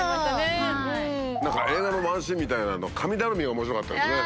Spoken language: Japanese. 映画のワンシーンみたいなの神頼みが面白かったですね。